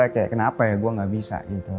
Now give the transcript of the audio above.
kayak kenapa ya gue gak bisa gitu